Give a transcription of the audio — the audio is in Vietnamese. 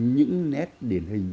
những nét điển hình